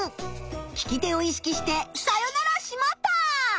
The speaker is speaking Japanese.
聞き手を意識してさよなら「しまった！」。